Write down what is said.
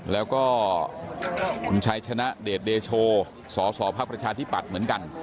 แล้วก็คุณชายชนะเดทเดโชสศพทิปัตก์เหมือนกัน